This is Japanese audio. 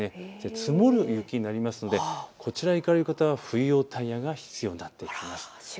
積もる雪になりますのでこちらに行かれる方は冬用タイヤが必要になってきます。